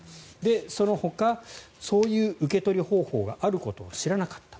そのほかそういう受け取り方法があることを知らなかった。